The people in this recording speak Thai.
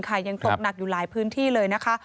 ยังตกหนักอยู่หลายพื้นที่เลยนะคะ